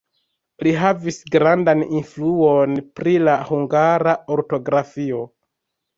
Li havis grandan influon pri la hungara ortografio.